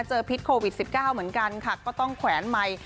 พิษโควิด๑๙เหมือนกันค่ะก็ต้องแขวนไมค์